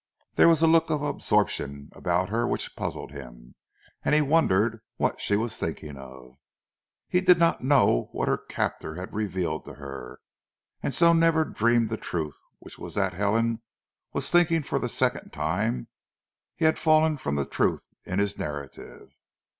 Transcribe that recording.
There was a look of absorption about her which puzzled him, and he wondered what she was thinking of. He did not know what her captor had revealed to her, and so never dreamed the truth, which was that Helen was thinking that for the second time he had fallen from the truth in his narrative.